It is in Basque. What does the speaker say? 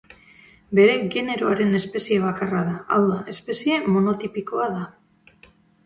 Bere generoan espezie bakarra da, hau da, espezie monotipikoa da.